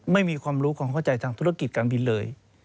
ไม่มีความรู้ความเข้าใจทางธุรกิจการบินเลย